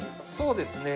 そうですね。